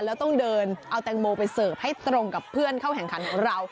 แล้วต้องเดินเอาแตงโมไปเสิร์ฟให้ตรงกับเพื่อนเข้าแข่งขันของเรา